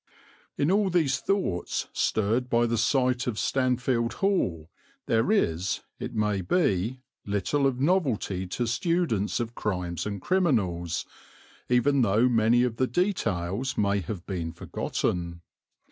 In all these thoughts stirred by the sight of Stanfield Hall there is, it may be, little of novelty to students of crimes and criminals, even though many of the details may have been forgotten.